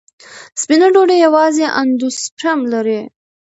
سپینه ډوډۍ یوازې اندوسپرم لري.